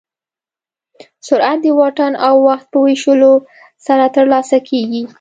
سرعت د واټن او وخت په ویشلو سره ترلاسه کېږي.